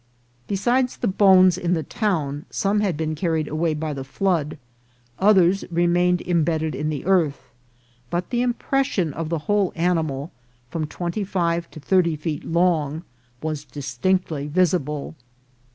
Besides the bones in the town, some had been carried away by the flood, others remained imbedded in the earth ; but the impres sion of the whole animal, from twenty five to thirty feet long, was distinctly visible.